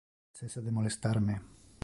Cessa de molestar me.